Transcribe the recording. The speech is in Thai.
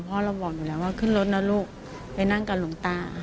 เพราะเราบอกอยู่แล้วว่าขึ้นรถนะลูกไปนั่งกับหลวงตา